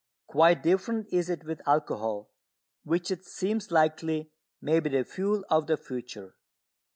Quite different is it with alcohol, which it seems likely may be the fuel of the future.